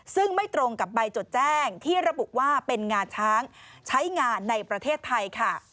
ซึ่งไม่ตรงกับใบจดแจ้งที่ระบุว่าเป็นงาช้างใช้งานในประเทศไทยค่ะ